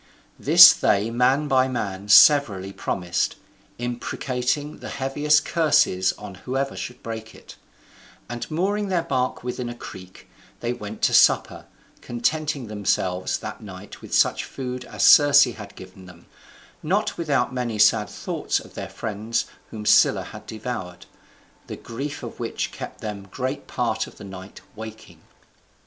This they man by man severally promised, imprecating the heaviest curses on whoever should break it; and mooring their bark within a creek, they went to supper, contenting themselves that night with such food as Circe had given them, not without many sad thoughts of their friends whom Scylla had devoured, the grief of which kept them great part of the night waking.